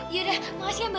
yaudah makasih ya mbak